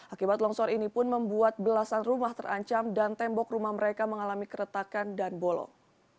akibat longsor ini pun membuat belasan rumah terancam dan tembok rumah mereka mengalami keretakan dan bolong